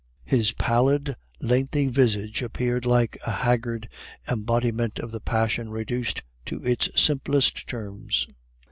His pallid, lengthy visage appeared like a haggard embodiment of the passion reduced to its simplest terms.